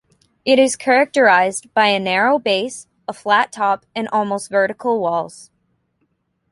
It is characterized by a narrow base, a flat top and almost vertical walls.